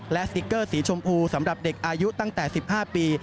และสติ๊กเกอร์สีชมพูสำหรับเด็กอายุตั้งแต่๑๕ปี